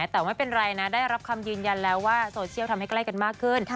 แต่ไม่เป็นไรนะได้รับคำยืนยันแล้วว่าโซเชียลทำให้ใกล้กันมากขึ้น